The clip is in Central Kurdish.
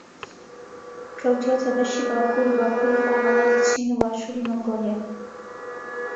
کەوتووەتە بەشی باکوور و باکووری خۆڕھەڵاتی چین و باشووری مەنگۆلیا